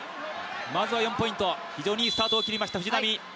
まずは４ポイント、非常にいいスタートを切りました藤波。